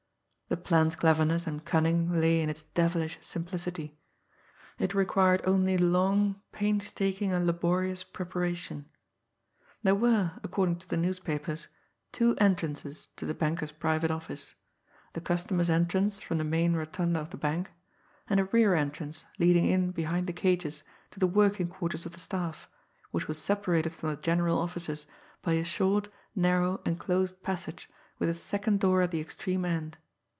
The plan's cleverness and cunning lay in its devilish simplicity it required only long, painstaking and laborious preparation. There were, according to the newspapers, two entrances to the banker's private office; the customers' entrance from the main rotunda of the bank, and a rear entrance leading in behind the cages to the working quarters of the staff, which was separated from the general offices by a short, narrow, enclosed passage with a second door at the extreme end.